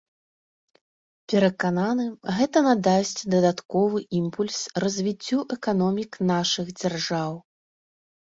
Перакананы, гэта надасць дадатковы імпульс развіццю эканомік нашых дзяржаў.